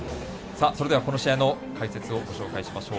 それではこの試合の解説をご紹介しましょう。